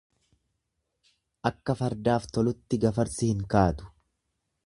Akka fardaaf tolutti gafarsi hin kaatu.